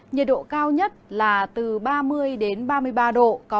nhiệt độ cao nhất là từ ba mươi đến ba mươi ba độ